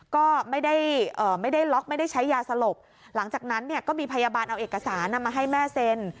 ก็ไม่ได้ล็อกไม่ได้ใช้ยาสลบหลังจากนั้นเนี่ยก็มีพยาบาลเอาเอกสารมาให้แม่เซ็น